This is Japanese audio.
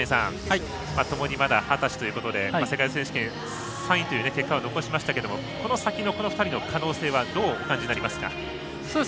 ともにまだ二十歳ということで世界選手権３位という結果は残しましたがこの先の２人の可能性はどう感じますか？